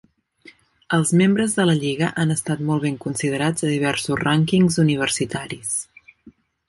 Els membres de la Lliga han estat molt ben considerats a diversos rànquings universitaris.